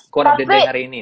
kurang dari hari ini deh